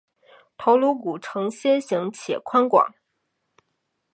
头颅骨呈心型且宽广。